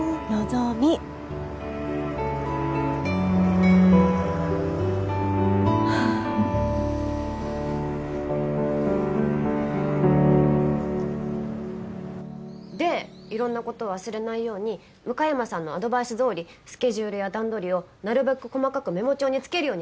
希。でいろんな事を忘れないように向山さんのアドバイスどおりスケジュールや段取りをなるべく細かくメモ帳につけるようにしてみたんです。